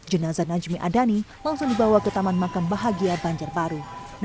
jenazah najmi adani langsung dibawa ke taman makam bahagia banjarbaru